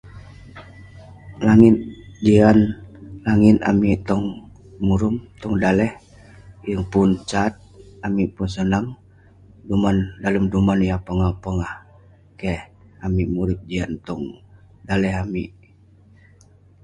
langit jian langit amik tong murum..tong daleh..yeng pun sat, amik pun sonang..dalem duman yah pongah pongah, keh..amik murip jian tong daleh amik.